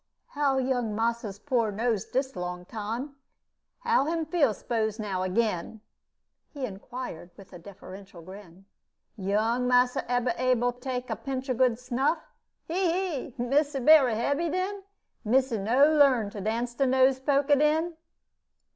"How young massa's poor nose dis long time? How him feel, spose now again?" he inquired, with a deferential grin. "Young massa ebber able take a pinch of good snuff? He! he! missy berry heavy den? Missy no learn to dance de nose polka den?"